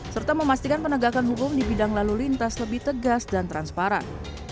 serta memastikan penegakan hukum di bidang lalu lintas lebih tegas dan transparan